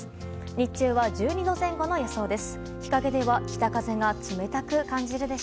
日中は１２度前後の予想です。